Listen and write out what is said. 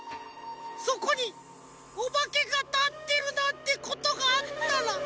そこにおばけがたってるなんてことがあったら。